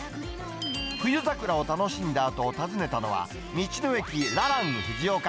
冬桜を楽しんだあと訪ねたのは、道の駅ららん藤岡。